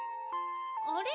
あれ？